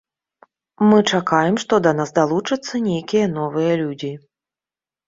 Мы чакаем, што да нас далучацца нейкія новыя людзі.